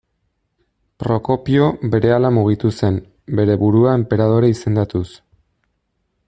Prokopio, berehala mugitu zen, bere burua enperadore izendatuz.